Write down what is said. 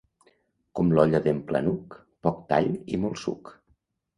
Com l'olla d'en Planuc, poc tall i molt suc.